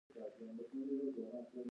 کاناډا د خوړو اداره لري.